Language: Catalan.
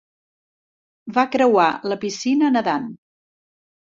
Va creuar la piscina nedant.